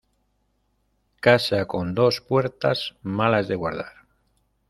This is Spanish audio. Casa con dos puertas, mala es de guardar.